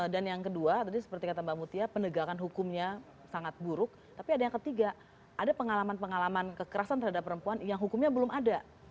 dan yang kedua tadi seperti kat mbak mutia penegakan hukumnya sangat buruk tapi ada yang ketiga ada pengalaman pengalaman kekerasan terhadap perempuan yang hukumnya belum ada